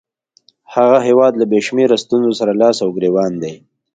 هغه هیواد له بې شمېره ستونزو سره لاس او ګرېوان دی.